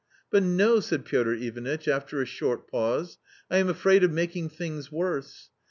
" But no," said Piotr Ivanitch, after a short pause. " I am afraid of making things worse.